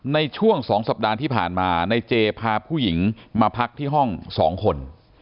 ในช่วง๒สัปดาห์ที่ผ่านมาในเจพาผู้หญิงมาพักที่ห้อง๒คน